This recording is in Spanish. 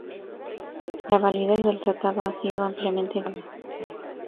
La validez del tratado ha sido ampliamente disputada.